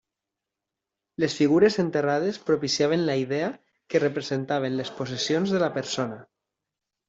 Les figures enterrades propiciaren la idea que representaven les possessions de la persona.